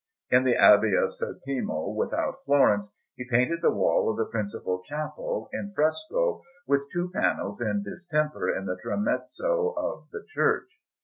In the Abbey of Settimo, without Florence, he painted the wall of the principal chapel in fresco, with two panels in distemper in the tramezzo of the church.